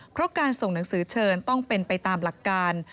เพราะการส่งหนังสือเชิญต้องเป็นไปตามหลักการ